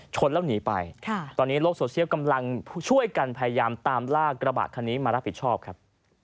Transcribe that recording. ชนแล้วหนีไปตอนนี้โลกโซเชียลกำลังช่วยกันพยายามตามลากกระบะคันนี้มารับผิดชอบครับ